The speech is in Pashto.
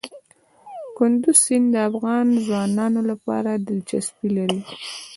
کندز سیند د افغان ځوانانو لپاره دلچسپي لري.